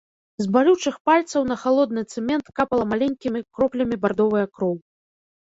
З балючых пальцаў на халодны цэмент капала маленькімі кроплямі бардовая кроў.